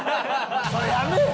それやめえ！